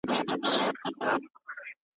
ما د ازادې مطالعې سره مينه پيدا کړه.